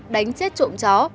đánh chết trộm chó